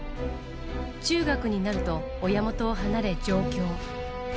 中学になると、親元を離れ、上京。